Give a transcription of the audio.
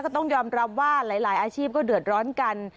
ต้องยอมรับว่าหลายอาชีพก็เดือดร้อนกัน